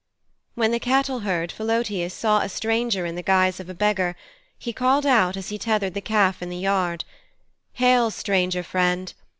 When the cattle herd, Philœtius, saw a stranger in the guise of a beggar, he called out as he tethered the calf in the yard, 'Hail, stranger friend!